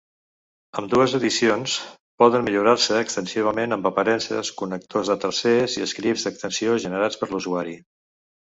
Ambdues edicions poden millorar-se extensivament amb aparences, connectors de tercers i scripts d'extensió generats per l'usuari.